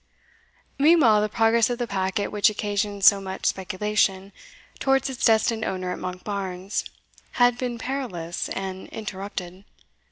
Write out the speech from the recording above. Meanwhile the progress of the packet which occasioned so much speculation, towards its destined owner at Monkbarns, had been perilous and interrupted.